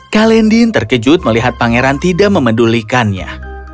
kalendin terkejut melihat pangeran tidak memedulikannya